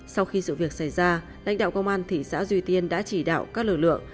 sau khi sự việc xảy ra lãnh đạo công an thị xã duy tiên đã chỉ đạo các lực lượng